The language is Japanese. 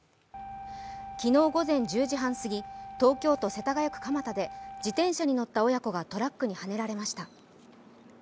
昨日午前１０時半すぎ、東京都世田谷区鎌田で自転車に乗った親子がトラックにはねられました。